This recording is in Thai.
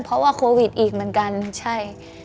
เพราะว่าโควิดอีกเหมือนกันใช่